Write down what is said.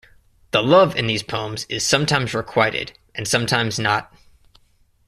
The love in these poems is sometimes requited, and sometimes not.